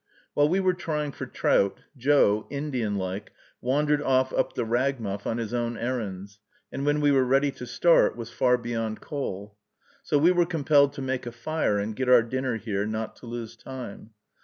While we were trying for trout, Joe, Indian like, wandered off up the Ragmuff on his own errands, and when we were ready to start was far beyond call. So we were compelled to make a fire and get our dinner here, not to lose time.